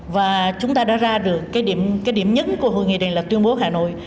và chúng ta đã ra được cái điểm nhấn của hội nghị này là tuyên bố hà nội